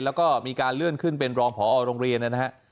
แล้วก็มีการเลื่อนขึ้นเป็นรองพอโรงเรียนนะฮะ